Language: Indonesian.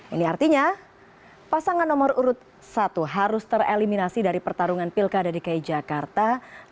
ini artinya pasangan nomor urut satu harus tereliminasi dari pertarungan pilkada dki jakarta dua ribu tujuh belas